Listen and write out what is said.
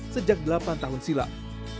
sejak delapan tahun silam